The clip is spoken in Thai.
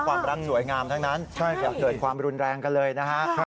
ความรังหน่วยงามทั้งนั้นจะเกิดความรุนแรงกันเลยนะครับใช่ไหมครับ